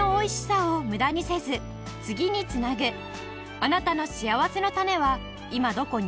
あなたのしあわせのたねは今どこに？